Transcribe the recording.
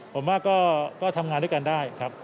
ผมว่าก็ทำงานด้วยกันได้ครับ